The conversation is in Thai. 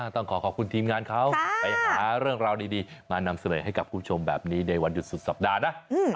ต้องขอขอบคุณทีมงานเขาไปหาเรื่องราวดีมานำเสนอให้กับคุณผู้ชมแบบนี้ในวันหยุดสุดสัปดาห์นะ